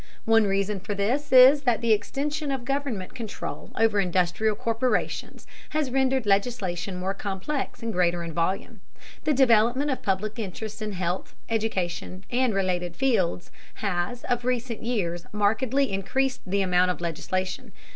One reason for this is that the extension of government control over industrial corporations has rendered legislation more complex and greater in volume. The development of public interest in health, education, and related fields has 'of recent years markedly increased the amount of legislation.